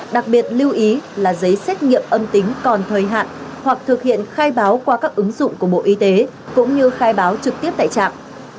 đặc biệt lưu ý là giấy xét nghiệm âm tính còn thời hạn hoặc thực hiện khai báo qua các ứng dụng của bộ y tế cũng như khai báo trực tiếp tại trạm